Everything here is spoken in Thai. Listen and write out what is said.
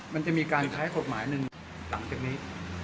มันจะมีการใช้กฎหมายหนึ่งหลังจากนี้